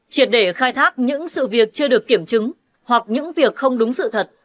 triệt để khai thác những sự việc chưa được kiểm chứng hoặc những việc không đúng sự thật